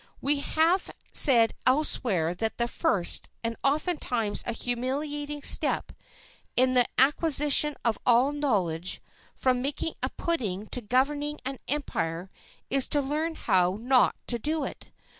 We have said elsewhere that the first, and oftentimes a humiliating step, in the acquisition of all knowledge, from making a pudding to governing an empire, is to learn how not to do it.